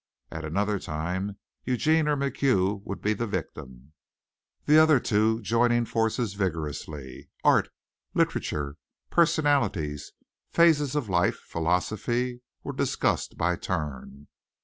At another time Eugene or MacHugh would be the victim, the other two joining forces vigorously. Art, literature, personalities, phases of life, philosophy, were discussed by turn.